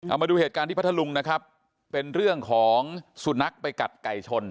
เอามาดูเหตุการณ์ที่พัทธลุงนะครับเป็นเรื่องของสุนัขไปกัดไก่ชน